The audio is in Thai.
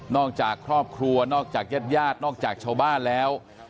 จากครอบครัวนอกจากญาติญาตินอกจากชาวบ้านแล้ว